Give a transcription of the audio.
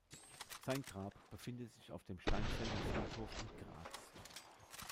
Sein Grab befindet sich auf dem Steinfelder Friedhof in Graz.